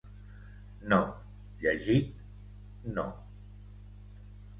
No, llegit… no.